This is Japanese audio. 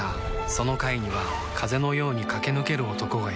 その階には風のように駆け抜ける男がいた